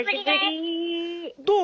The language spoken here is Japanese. どう？